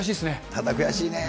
ただくやしいね。